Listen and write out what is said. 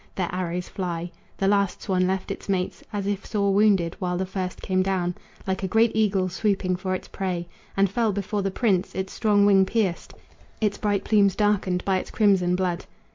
Their arrows fly. The last swan left its mates As if sore wounded, while the first came down Like a great eagle swooping for its prey, And fell before the prince, its strong wing pierced, Its bright plumes darkened by its crimson blood.